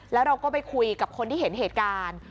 แล้วเราก็ไปคุยกับคนที่เห็นเหตุการณ์